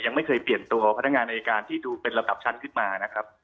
ยังไม่เคยเปลี่ยนตัวพนักงานอายการที่ดูเป็นระดับชั้นขึ้นมานะครับ